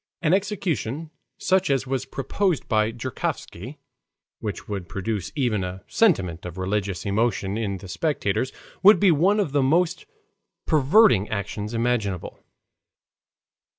An execution such as was proposed by Joukovsky, which would produce even a sentiment of religious emotion in the spectators, would be one of the most perverting actions imaginable.